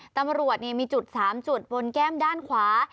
ตำรวจมีจุด๓จุดบนแก้มด้านขวา